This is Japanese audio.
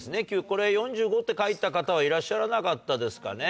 これ４５って書いた方はいらっしゃらなかったですかね。